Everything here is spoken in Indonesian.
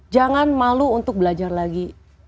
jangan malu untuk belajar lagi